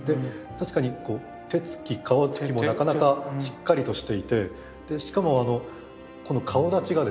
確かに手つき顔つきもなかなかしっかりとしていてしかもこの顔だちがですね